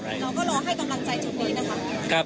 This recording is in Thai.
เราก็รอให้กำลังใจจุดนี้นะคะ